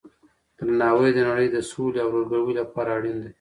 درناوی د نړۍ د صلحې او ورورګلوۍ لپاره اړین دی.